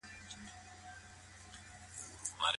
هغه د نورو له ماتو څخه د بریا کلي ترلاسه کړه.